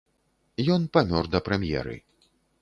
Ён памёр да прэм'еры.